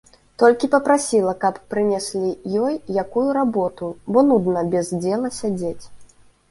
Толькі папрасіла, каб прынеслі ёй якую работу, бо нудна без дзела сядзець.